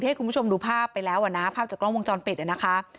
ให้คุณผู้ชมดูภาพไปแล้วอ่ะนะภาพจากกล้องวงจรปิดนะคะ